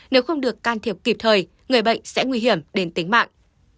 nếu không được can thiệp kịp thời người bệnh sẽ nguy hiểm đến tính mạng